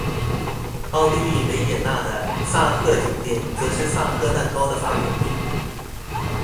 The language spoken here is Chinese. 奥地利维也纳的萨赫酒店则是萨赫蛋糕的发源地。